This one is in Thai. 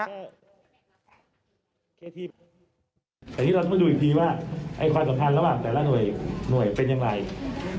อันนี้เราต้องมาดูอีกทีว่าความสัมพันธ์ระหว่างแต่ละหน่วยเป็นอย่างไร